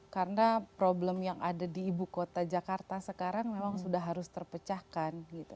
karena problem yang ada di ibu kota jakarta sekarang memang sudah harus terpecahkan